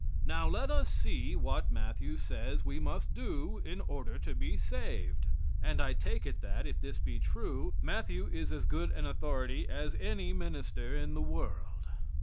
Now let us see what Matthew says we must do in order to be saved. And I take it that, if this be true, Matthew is as good an authority as any minister in the world.